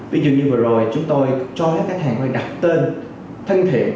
ví dụ như vừa rồi chúng tôi cho khách hàng đặt tên thân thể